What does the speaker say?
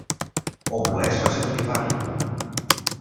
όπου έσπασε το κεφάλι του.